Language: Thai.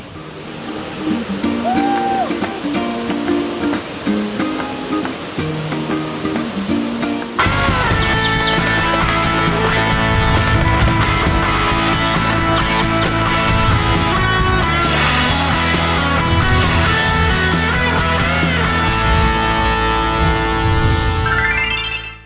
น้ำตกที่สวยที่สุดในประเทศไทย